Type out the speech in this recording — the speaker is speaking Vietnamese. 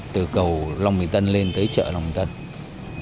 từ cầu long bình tân lên tới chợ long tân